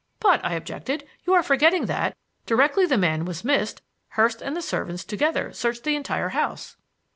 "But," I objected, "you are forgetting that, directly the man was missed Hurst and the servants together searched the entire house."